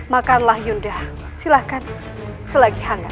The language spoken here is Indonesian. makanlah yunda silahkan selagi hangat